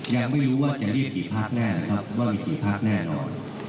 ยังไม่รู้ว่าจะเรียกกี่ภาคแน่นะครับว่ามีกี่ภาคแน่นอน